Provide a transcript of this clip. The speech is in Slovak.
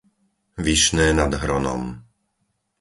Vyšné nad Hronom